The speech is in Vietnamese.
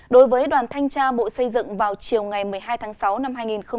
đối với đoàn thanh tra bộ xây dựng vào chiều ngày một mươi hai tháng sáu năm hai nghìn một mươi chín